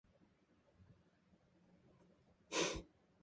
ウエルバ県の県都はウエルバである